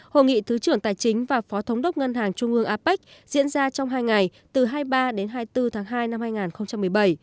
hội nghị thứ trưởng tài chính và phó thống đốc ngân hàng trung ương apec diễn ra trong hai ngày từ hai mươi ba đến hai mươi bốn tháng hai năm hai nghìn một mươi bảy